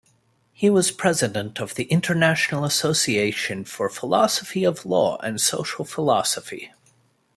He was president of the International Association for Philosophy of Law and Social Philosophy.